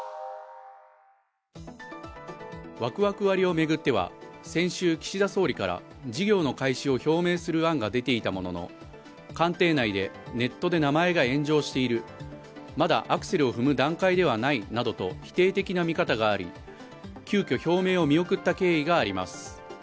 ワクワク割を巡っては、先週、岸田総理から事業の開始を表明する案が出ていたものの官邸内で、ネットで名前が炎上している、まだアクセルを踏む段階ではないと否定的な見方があり、急きょ表明を見送った経緯があります。